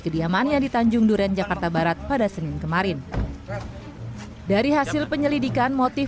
kediamannya di tanjung duren jakarta barat pada senin kemarin dari hasil penyelidikan motif